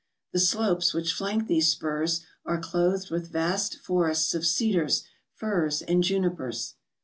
The slopes which flank these spurs are clothed with vast forests of cedars, firs, and ju¬ nipers.